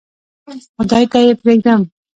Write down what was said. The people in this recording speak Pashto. خدای ته یې پرېږدم.